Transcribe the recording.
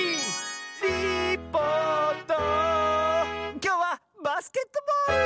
きょうは「バスケットボール」！